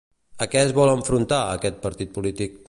A què es vol enfrontar, aquest partit polític?